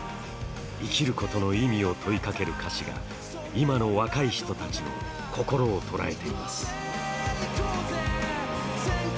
生きることの意味を問いかける歌詞が今の若い人たちの心を捉えています。